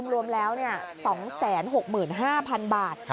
รวมแล้ว๒๖๕๐๐๐บาท